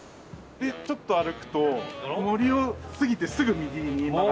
でちょっと歩くと森を過ぎてすぐ右に曲がって。